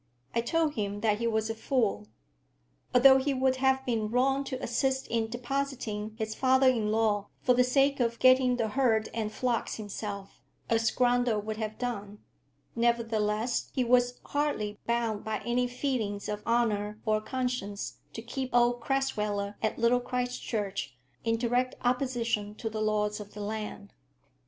I told him that he was a fool. Although he would have been wrong to assist in depositing his father in law for the sake of getting the herd and flocks himself, as Grundle would have done, nevertheless he was hardly bound by any feelings of honour or conscience to keep old Crasweller at Little Christchurch in direct opposition to the laws of the land.